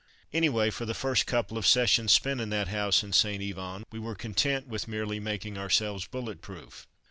Anyway, for the first couple of sessions spent in that house in St. Yvon, we were content with merely making ourselves bullet proof.